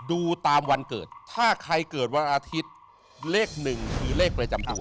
ดูตามวันเกิดถ้าใครเกิดวันอาทิตย์เลขหนึ่งคือเลขประจำตัว